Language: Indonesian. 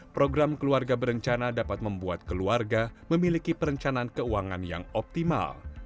program keluarga berencana dapat membuat keluarga memiliki perencanaan keuangan yang optimal